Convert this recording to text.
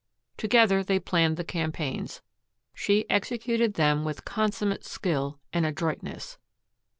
Together they planned the campaigns; she executed them with consummate skill and adroitness.